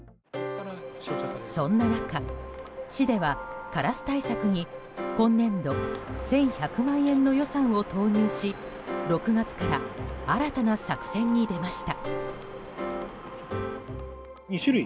そんな中、市ではカラス対策に今年度１１００万円の予算を投入し６月から新たな作戦に出ました。